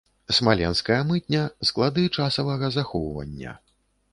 Смаленская мытня, склады часавага захоўвання.